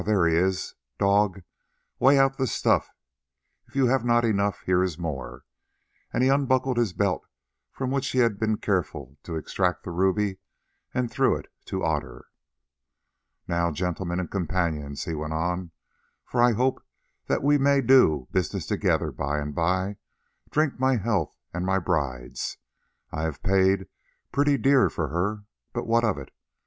there he is. Dog, weigh out the stuff; if you have not enough, here is more." And he unbuckled his belt, from which he had been careful to extract the ruby, and threw it to Otter. "Now, gentlemen and companions," he went on, "for I hope that we may do business together by and by, drink my health and my bride's. I have paid pretty dear for her, but what of it?